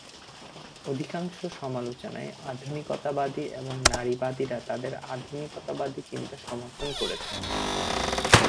অধিকাংশ সমালোচনায় আধুনিকতাবাদী এবং নারীবাদীরা তাদের আধুনিকতাবাদী চিন্তা সমর্থন করেছেন।